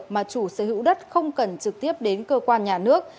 mà chủ sở hữu đất không cần trực tiếp đến cơ quan nhà nước